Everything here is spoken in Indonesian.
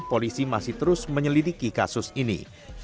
polisi masih terus menyelidiki kasus ini